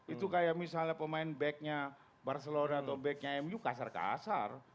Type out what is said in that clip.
itu kayak misalnya pemain backnya barcelona atau backnya mu kasar kasar